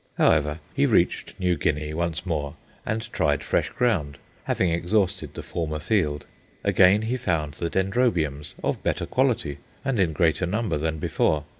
However, he reached New Guinea once more and tried fresh ground, having exhausted the former field. Again he found the Dendrobiums, of better quality and in greater number than before.